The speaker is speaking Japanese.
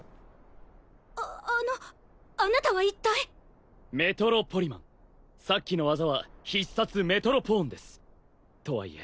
ああのあなたは一体メトロポリマンさっきの技は必殺メトロポーンですとはいえ